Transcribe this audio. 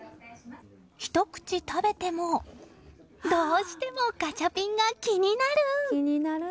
ひと口食べても、どうしてもガチャピンが気になる！